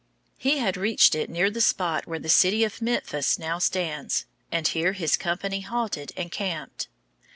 ] He had reached it near the spot where the city of Memphis now stands, and here his company halted and camped.